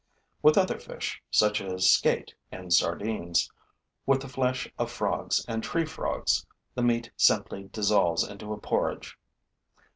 With other fish, such as skate and sardines, with the flesh of frogs and tree frogs, the meat simply dissolves into a porridge.